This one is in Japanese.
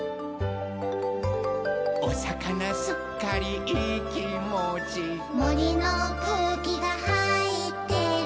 「おさかなすっかりいいきもち」「もりのくうきがはいってる」